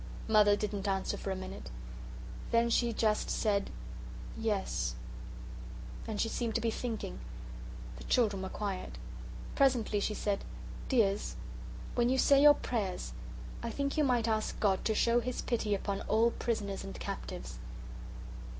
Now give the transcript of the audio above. Mother didn't answer for a minute. Then she just said, "Yes," and then she seemed to be thinking. The children were quiet. Presently she said, "Dears, when you say your prayers, I think you might ask God to show His pity upon all prisoners and captives."